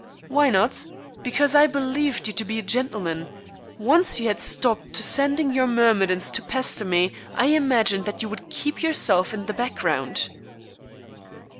"Why not? Because I believed you to be a gentleman. Once you had stooped to sending your myrmidons to pester me I imagined that you would keep yourself in the background."